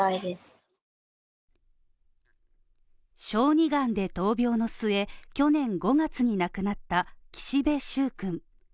小児がんで闘病の末、去年５月に亡くなった岸部蹴君。